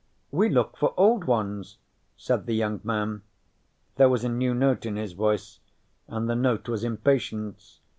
"We look for old ones," said the young man. There was a new note in his voice, and the note was impatience.